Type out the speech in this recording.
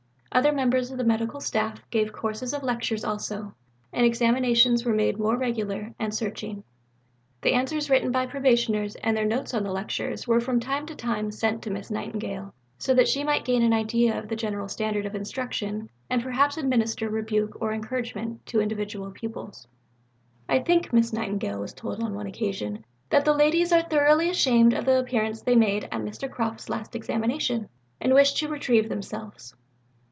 Other members of the Medical Staff gave courses of lectures also, and examinations were made more regular and searching. The answers written by the Probationers, and their notes on the lectures, were from time to time sent in to Miss Nightingale, so that she might gain an idea of the general standard of instruction, and perhaps administer rebuke or encouragement to individual pupils. "I think," Miss Nightingale was told on one occasion, "that the ladies are thoroughly ashamed of the appearance they made at Mr. Croft's last examination, and wish to retrieve themselves."